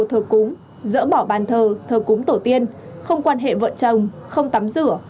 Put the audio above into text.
thờ cúng dỡ bỏ bàn thờ thờ cúng tổ tiên không quan hệ vợ chồng không tắm rửa